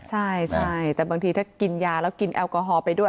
ใช่แต่บางทีถ้ากินยาแล้วกินแอลกอฮอลไปด้วย